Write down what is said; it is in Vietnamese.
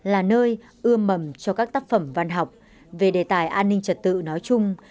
là nơi ưa mầm cho các tác phẩm văn học về đề tài an ninh trật tự nói chung